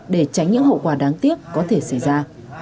để tránh những hậu quả đáng tiếc có thể xảy ra